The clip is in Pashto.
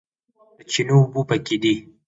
د چینو اوبه پاکې دي